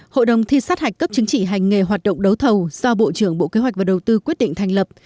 hội đồng thi sát hạch cấp chứng chỉ hành nghề hoạt động đấu thầu do bộ trưởng bộ kế hoạch và đầu tư quyết định thành lập